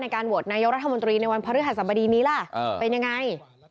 การโหวตนายกรัฐมนตรีในวันพระฤหัสบดีนี้ล่ะเป็นยังไง